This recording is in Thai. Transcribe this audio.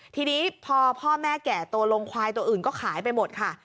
ทีนี้พอพ่อแม่แก่ตัวลงควายตัวอื่นก็ขายไปหมดค่ะ